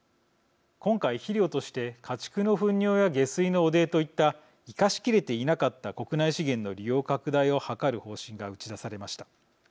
今回肥料として家畜のふん尿や下水の汚泥といった生かしきれていなかった国内資源の利用拡大を図る方針が打ち出されました。